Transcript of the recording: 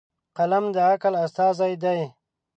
قلم د عقل استازی دی.